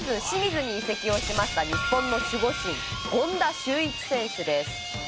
清水に移籍をしました日本の守護神権田修一選手です。